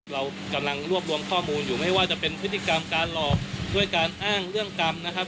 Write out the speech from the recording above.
เรากำลังรวบรวมข้อมูลอยู่ไม่ว่าจะเป็นพฤติกรรมการหลอกด้วยการอ้างเรื่องกรรมนะครับ